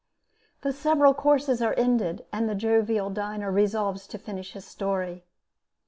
[The several courses are ended, and the jovial diner resolves to finish his story.